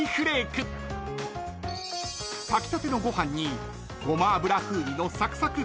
［炊きたてのご飯にごま油風味のサクサク